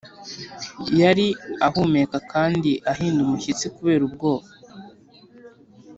yari ahumeka kandi ahinda umushyitsi kubera ubwoba,